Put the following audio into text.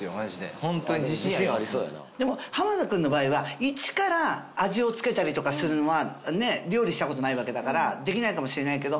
田君の場合は一から味を付けたりとかするのはねっ料理したことないわけだからできないかもしれないけど